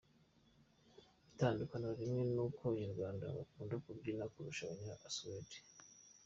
Itandukaniro rimwe ni uko Abanyarwanda bakunda kubyina kurusha Abanya- Suède.